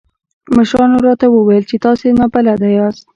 مشرانو راته وويل چې تاسې نابلده ياست.